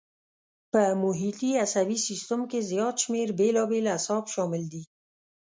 په محیطي عصبي سیستم کې زیات شمېر بېلابېل اعصاب شامل دي.